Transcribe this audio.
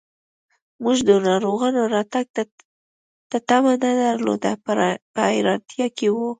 موږ د ناروغانو راتګ ته تمه نه درلوده، په حیرانتیا کې و.